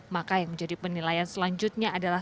maka yang menjadi penilaian selanjutnya adalah